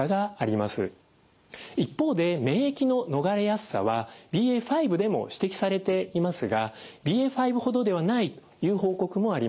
一方で免疫の逃れやすさはＢＡ．５でも指摘されていますがＢＡ．５ほどではないという報告もあります。